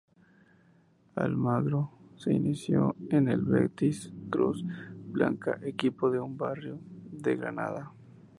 Almagro se inició en el Betis Cruz Blanca, equipo de un barrio de Granada.